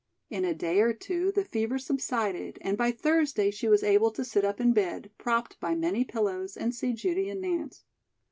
In a day or two the fever subsided and by Thursday she was able to sit up in bed, propped by many pillows and see Judy and Nance.